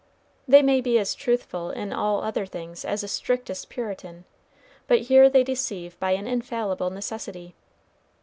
They may be as truthful in all other things as the strictest Puritan, but here they deceive by an infallible necessity.